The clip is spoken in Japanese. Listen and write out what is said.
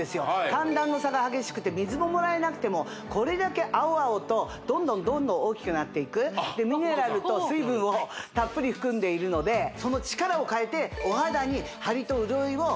寒暖の差が激しくて水ももらえなくてもこれだけ青々とどんどんどんどん大きくなっていくでミネラルと水分をたっぷり含んでいるのでその力をかえてお肌にハリと潤いを与えてくれるようなそんな化粧品になりました